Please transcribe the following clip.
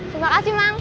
terima kasih mang